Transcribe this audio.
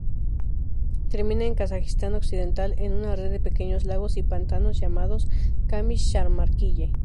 Termina en Kazajistán occidental en una red de pequeños lagos y pantanos llamados Kamysh-Samarkiye.